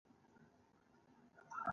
د انګور تاکونه پورته خیژي